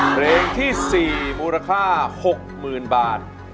เพลงที่๔มูลค่า๖๐๐๐บาท